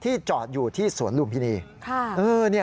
จอดอยู่ที่สวนลุมพินี